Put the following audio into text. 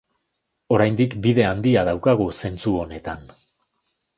Oraindik bide handia daukagu zentzu honetan.